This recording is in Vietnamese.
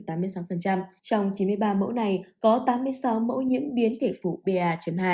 trong chín mươi ba mẫu này có tám mươi sáu mẫu nhiễm biến thể phụ ba hai